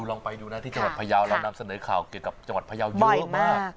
ลองไปดูนะที่จังหวัดพยาวเรานำเสนอข่าวเกี่ยวกับจังหวัดพยาวเยอะมาก